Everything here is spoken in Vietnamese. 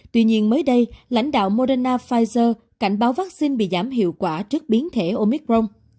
tuy nhiên mới đây lãnh đạo moderna pfizer cảnh báo vaccine bị giảm hiệu quả trước biến thể omicron